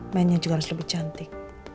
mainnya juga harus lebih cantik